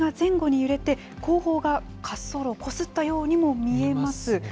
機体が前後に揺れて、後方が滑走路をこすったようにも見えます。